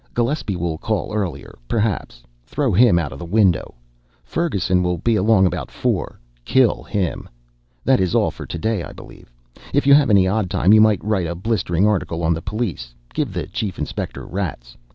Gillespie will call earlier, perhaps throw him out of the window. Ferguson will be along about four kill him. That is all for today, I believe. If you have any odd time, you may write a blistering article on the police give the chief inspector rats.